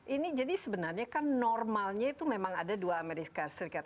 ini jadi sebenarnya kan normalnya itu memang ada dua amerika serikat